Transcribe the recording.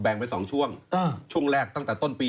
ไป๒ช่วงช่วงแรกตั้งแต่ต้นปี